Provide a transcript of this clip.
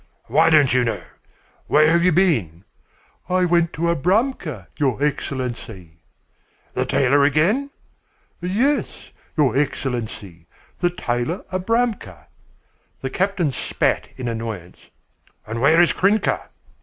"Why don't you know? Where have you been?" "I went to Abramka, your Excellency." "The tailor again?" "Yes, your Excellency, the tailor Abramka." The captain spat in annoyance. "And where is Krynka?"